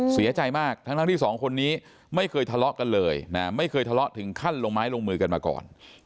เสียใจมากทั้งที่สองคนนี้ไม่เคยทะเลาะกันเลยนะไม่เคยทะเลาะถึงขั้นลงไม้ลงมือกันมาก่อน